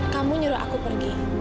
kamu nyuruh aku pergi